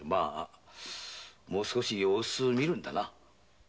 もう少し様子を見るんだな。